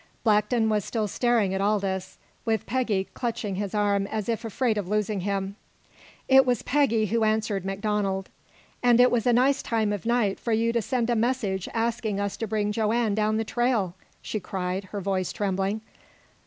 Blackton was still staring at Aldous, with Peggy clutching his arm as if afraid of losing him. It was Peggy who answered MacDonald. "And it was a nice time of night for you to send a message asking us to bring Joanne down the trail!" she cried, her voice trembling.